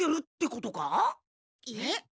えっ？